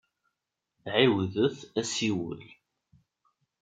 Ɛiwdet asiwel.